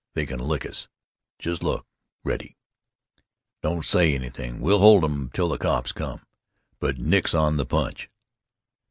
They can lick us. Just look ready. Don't say anything. We'll hold 'em till the cops come. But nix on the punch."